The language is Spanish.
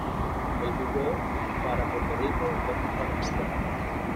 Él jugó para Puerto Rico en tres Juegos Panamericanos.